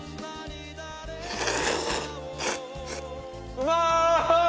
うまーい！